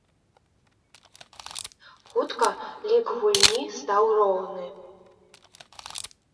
Хутка лік гульні стаў роўны.